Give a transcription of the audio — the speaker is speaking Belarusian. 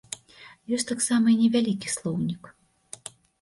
Ёсць таксама і невялікі слоўнік.